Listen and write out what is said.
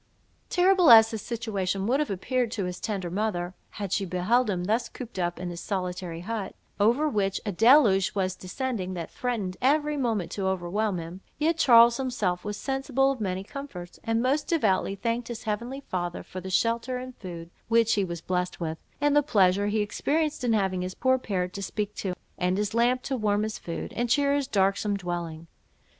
Terrible as his situation would have appeared to his tender mother, had she beheld him thus cooped up in his solitary hut, over which a deluge was descending, that threatened every moment to overwhelm him, yet Charles himself was sensible of many comforts; and most devoutly thanked his heavenly Father for the shelter and food which he was blessed with, and the pleasure he experienced in having his poor parrot to speak to, and his lamp to warm his food, and cheer his darksome dwelling.